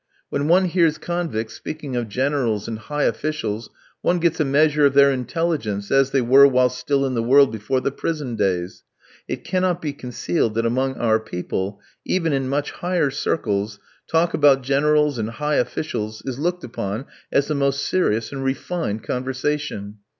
When one hears convicts speaking of Generals and high officials one gets a measure of their intelligence as they were while still in the world before the prison days. It cannot be concealed that among our people, even in much higher circles, talk about generals and high officials is looked upon as the most serious and refined conversation.